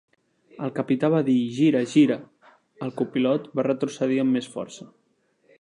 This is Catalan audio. El Capità va dir "gira, gira"; el copilot va retrocedir amb més força.